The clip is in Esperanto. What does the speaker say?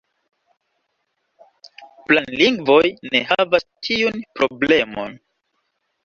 Planlingvoj ne havas tiun problemon.